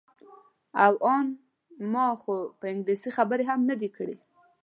او ان ما خو په انګلیسي خبرې هم نه دي کړې.